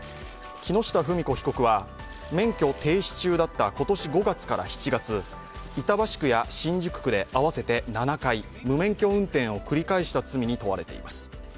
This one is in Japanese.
木下富美子被告は免許停止中だった今年５月から７月、板橋区や新宿区で合わせて７回無免許運転を繰り返した罪に問われています。